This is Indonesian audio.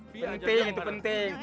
penting itu penting